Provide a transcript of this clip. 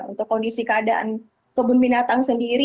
untuk kondisi keadaan kebun binatang sendiri